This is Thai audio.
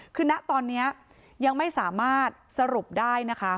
คือณตอนนี้ยังไม่สามารถสรุปได้นะคะ